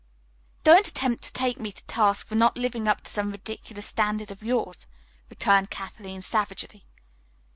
"Don't attempt to take me to task for not living up to some ridiculous standard of yours," returned Kathleen savagely.